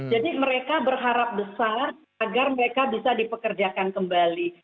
jadi mereka berharap besar agar mereka bisa dipekerjakan kembali